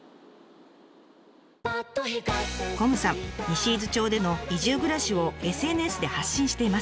西伊豆町での移住暮らしをＳＮＳで発信しています。